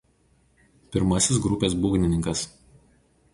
Pirmasis grupės būgnininkas.